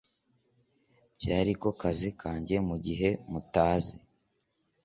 byariko kazi kange mugihe mutazi